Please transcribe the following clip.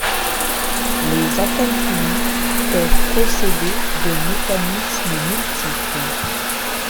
Les acalculies peuvent procéder de mécanismes multiples.